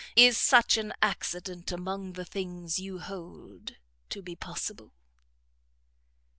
Is such an accident among the things you hold to be possible?"